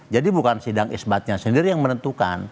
jadi bukan sidang isbatnya sendiri yang menentukan